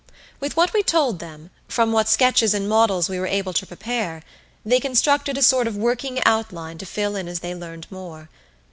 With what we told them, from what sketches and models we were able to prepare, they constructed a sort of working outline to fill in as they learned more.